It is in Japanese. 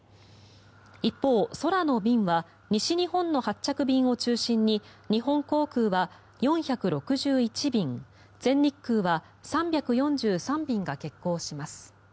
一方、空の便は西日本の発着便を中心に日本航空は４６１便全日空は３４３便が欠航します。